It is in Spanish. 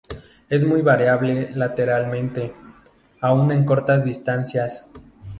Es muy variable lateralmente, aún en cortas distancias.